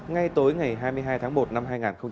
ngay tối ngày hai mươi hai tháng một năm hai nghìn hai mươi